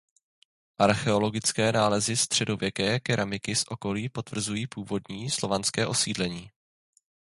Archeologické nálezy středověké keramiky z okolí potvrzují původní slovanské osídlení.